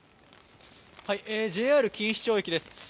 ＪＲ錦糸町駅です。